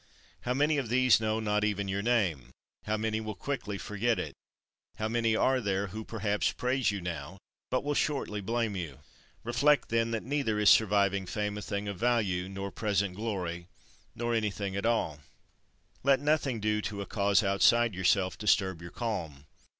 How many of these know not even your name; how many will quickly forget it; how many are there who perhaps praise you now, but will shortly blame you. Reflect, then, that neither is surviving fame a thing of value; nor present glory; nor anything at all. 31. Let nothing due to a cause outside yourself disturb your calm.